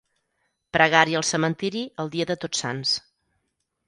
Pregària al cementiri el dia de Tots Sants.